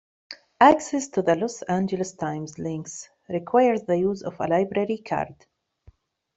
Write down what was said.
Access to the "Los Angeles Times" links requires the use of a library card.